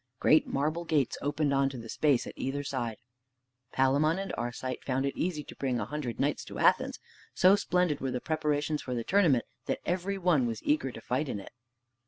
Great marble gates opened on to the space at either side. Palamon and Arcite found it easy to bring a hundred knights to Athens. So splendid were the preparations for the tournament that every one was eager to fight in it.